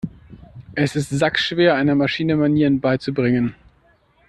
Es ist sackschwer, einer Maschine Manieren beizubringen.